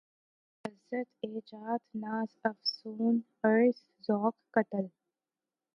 لذت ایجاد ناز افسون عرض ذوق قتل